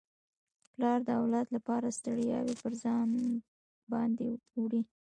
پلار د اولاد لپاره ستړياوي پر ځان باندي وړي.